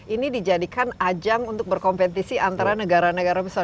ini dijadikan ajang untuk berkompetisi antara negara negara besar